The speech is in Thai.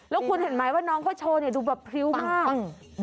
แล้วคุณเห็นไหมว่าน้องเขาโชว์ดูพริ้วมาก